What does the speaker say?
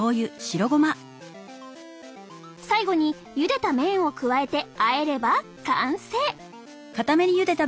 最後にゆでた麺を加えてあえれば完成！